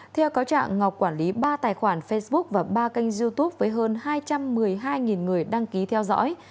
theo cáo trạng ngọc quản lý ba tài khoản facebook và ba kênh youtube với hơn hai trăm một mươi hai người đăng ký theo dõi